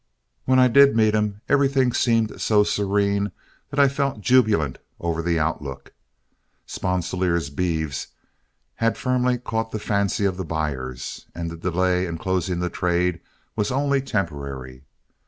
When I did meet him, everything seemed so serene that I felt jubilant over the outlook. Sponsilier's beeves had firmly caught the fancy of the buyers, and the delay in closing the trade was only temporary.